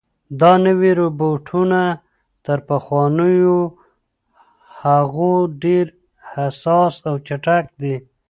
دا نوي روبوټونه تر پخوانیو هغو ډېر حساس او چټک دي.